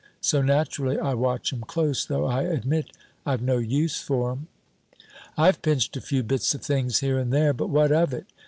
So naturally I watch 'em close, though I admit I've no use for 'em." "I've pinched a few bits of things here and there, but what of it?